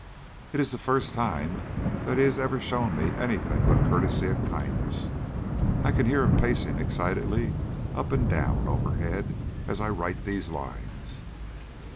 It is the first time that he has ever shown me anything but courtesy and kindness. I can hear him pacing excitedly up and down overhead as I write these lines.